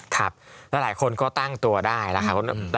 ครับแล้วหลายคนก็ตั้งตัวได้แล้วครับ